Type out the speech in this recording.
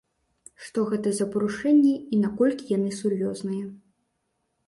Што гэта за парушэнні і наколькі яны сур'ёзныя?